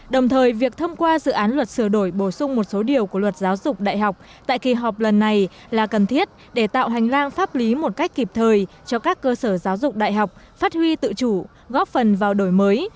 đồng thời việc thông qua dự án luật sửa đổi bổ sung một số điều của luật giáo dục đại học tại kỳ họp lần này là cần thiết để tạo hành lang pháp lý một cách kịp thời cho các cơ sở giáo dục đại học phát huy tự chủ góp phần vào đổi mới